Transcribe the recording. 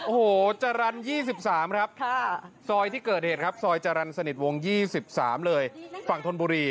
โอ้โหจรรย์๒๓ครับซอยที่เกิดเหตุครับซอยจรรย์สนิทวง๒๓เลยฝั่งธนบุรี